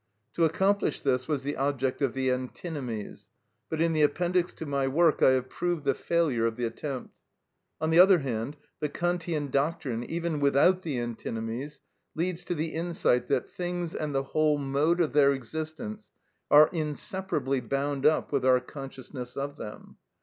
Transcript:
To accomplish this was the object of the antinomies, but in the appendix to my work I have proved the failure of the attempt. On the other hand, the Kantian doctrine, even without the antinomies, leads to the insight that things and the whole mode of their existence are inseparably bound up with our consciousness of them.